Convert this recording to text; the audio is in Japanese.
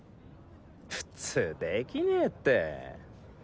普通できねって。